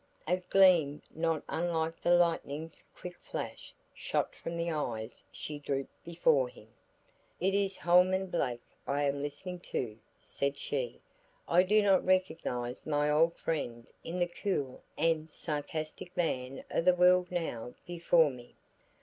A gleam not unlike the lightning's quick flash shot from the eyes she drooped before him. "Is it Holman Blake I am listening to," said she; "I do not recognize my old friend in the cool and sarcastic man of the world now before me."